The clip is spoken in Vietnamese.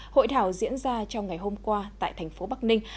hội thảo diễn ra trong ngày hôm qua tại thành phố bắc ninh